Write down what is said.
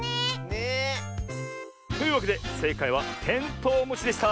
ねえ。というわけでせいかいはテントウムシでした。